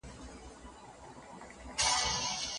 هره ورځ به زموږ